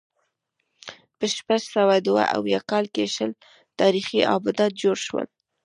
په شپږ سوه دوه اویا کال کې شل تاریخي آبدات جوړ شول